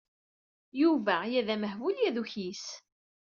Yuba ya d amehbul, ya d ukyis.